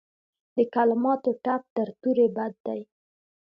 د کلماتو ټپ تر تورې بد دی.